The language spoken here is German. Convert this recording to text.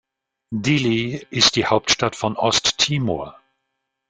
Dili ist die Hauptstadt von Osttimor.